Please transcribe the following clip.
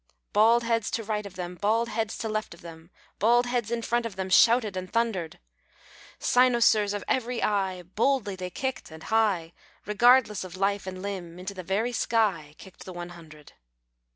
Bald heads to right of them, Bald heads to left of them, Bald heads in front of them Shouted and thundered ; Cynosures of every eye, Boldly they kicked and high, Regardless of life and limb. Into the very sky Kicked the one hundred.